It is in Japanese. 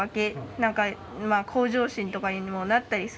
何か向上心とかにもなったりするから。